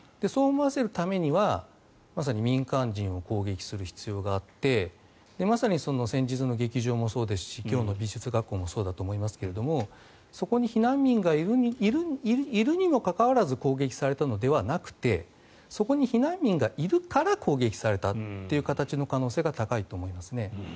そう思わせるためにはまさに民間人を攻撃する必要があってまさに先日の劇場もそうですし今日の美術学校もそうだと思いますけれどそこに避難民がいるにもかかわらず攻撃されたのではなくてそこに避難民がいるから攻撃されたという形の可能性が高いと思いますね。